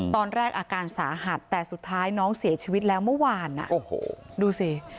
อาการสาหัสแต่สุดท้ายน้องเสียชีวิตแล้วเมื่อวานดูสิ